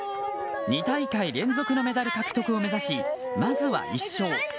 ２大会連続のメダル獲得を目指しまずは１勝。